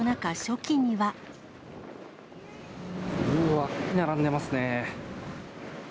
うわ、すごく並んでますね。